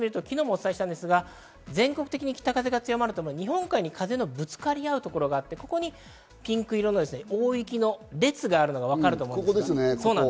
風を重ねてみると、全国的に北風が強まるとともに、日本海に風のぶつかり合うところがあってピンク色の大雪の列があるのがわかると思います。